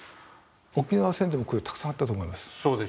沖縄戦でもこれたくさんあったと思います。